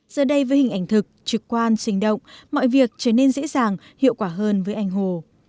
giờ đây với hình ảnh thực trực quan sinh động mọi việc trở nên dễ dàng hiệu quả hơn với anh hồ